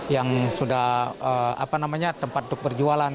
yang sudah tempat untuk berjualan